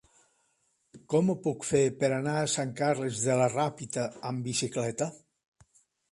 Com ho puc fer per anar a Sant Carles de la Ràpita amb bicicleta?